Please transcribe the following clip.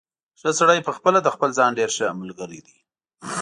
ښه سړی پخپله د خپل ځان ډېر ښه ملګری دی.